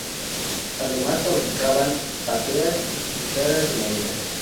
Además fabricaban bateas y cucharas de madera.